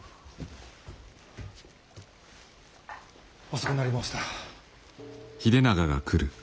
遅くなり申した。